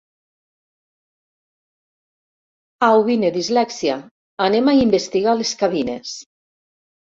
Au vine Dislèxia, anem a investigar les cabines.